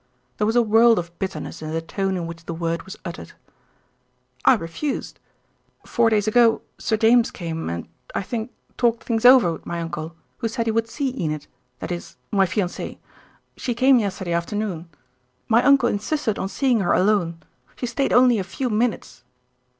There was a world of bitterness in the tone in which the word was uttered. "I refused. Four days ago Sir James came and, I think, talked things over with my uncle, who said he would see Enid, that is, my fiancée. She came yesterday afternoon. My uncle insisted on seeing her alone. She stayed only a few minutes."